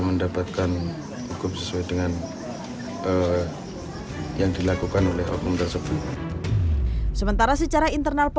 mendapatkan hukum sesuai dengan yang dilakukan oleh oknum tersebut sementara secara internal